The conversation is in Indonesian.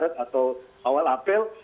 atau awal april